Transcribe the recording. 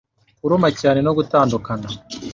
kuruma cyane no gutandukana